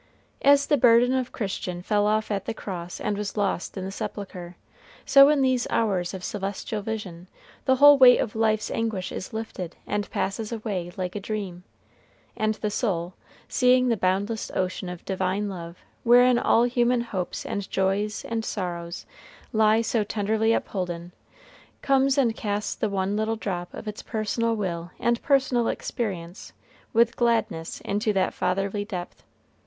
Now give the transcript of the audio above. As the burden of Christian fell off at the cross and was lost in the sepulchre, so in these hours of celestial vision the whole weight of life's anguish is lifted, and passes away like a dream; and the soul, seeing the boundless ocean of Divine love, wherein all human hopes and joys and sorrows lie so tenderly upholden, comes and casts the one little drop of its personal will and personal existence with gladness into that Fatherly depth.